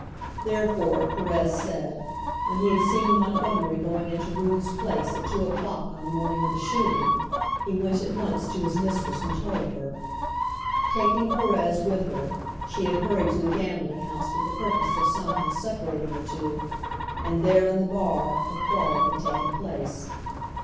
Therefore, Perez said, when he had seen Montgomery going into Rood's place at two o'clock on the morning of the shooting he went at once to his mistress and told her. Taking Perez with her, she had hurried to the gambling house with the purpose of somehow separating the two, and there in the bar the quarrel had taken place.